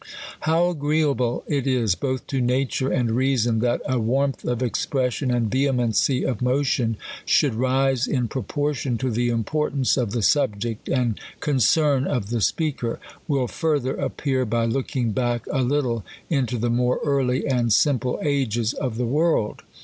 How agreeable it is, both to nature and reason, that a warmth of expression and vehemency of motion should rise in {proportion to the importance of the subject, and concern of the speaker, will further appear by looking back a little into the more early and simple ages of the world.